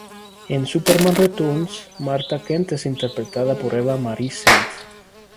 En "Superman Returns", Martha Kent es interpretada por Eva Marie Saint.